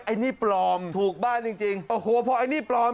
อันนี้ปลอมถูกบ้านจริงจริงโอ้โหพอไอ้นี่ปลอม